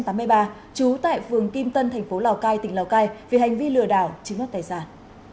trú tại phường kim tân thành phố lào cai tỉnh lào cai vì hành vi lừa đảo chiếm đất tài sản